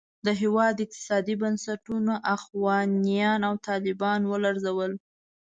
د هېواد اقتصادي بنسټونه اخوانیانو او طالبانو ولړزول.